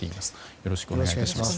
よろしくお願いします。